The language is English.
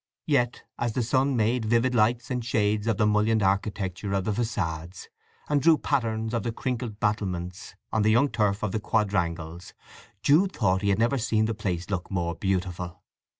Yet as the sun made vivid lights and shades of the mullioned architecture of the façades, and drew patterns of the crinkled battlements on the young turf of the quadrangles, Jude thought he had never seen the place look more beautiful.